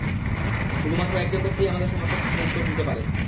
শুধুমাত্র একজন ব্যক্তিই আমাদের সমস্ত প্রশ্নের উত্তর দিতে পারে।